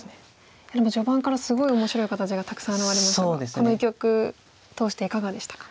でも序盤からすごい面白い形がたくさん現れましたがこの一局通していかがでしたか？